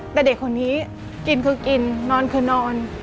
แต่เด็กคนนี้กินคือกินนอนคือนอน